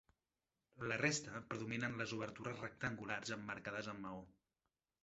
La resta predominen les obertures rectangulars emmarcades amb maó.